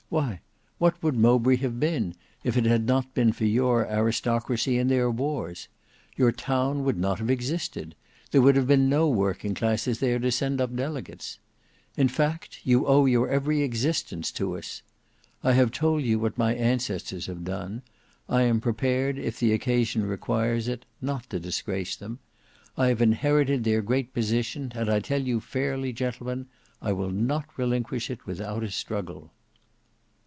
Why, what would Mowbray have been if it had not been for your aristocracy and their wars? Your town would not have existed; there would have been no working classes there to send up delegates. In fact you owe your every existence to us. I have told you what my ancestors have done; I am prepared, if the occasion requires it, not to disgrace them; I have inherited their great position, and I tell you fairly, gentlemen, I will not relinquish it without a struggle."